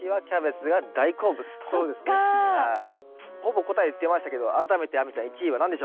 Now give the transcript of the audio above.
ほぼ答え言ってましたけど改めて亜美ちゃん１位は何でしょう？